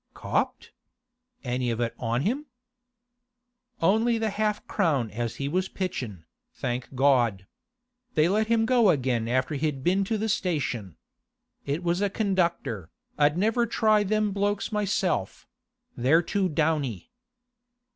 'Copped? Any of it on him?' 'Only the half crown as he was pitchin', thank God! They let him go again after he'd been to the station. It was a conductor, I'd never try them blokes myself; they're too downy.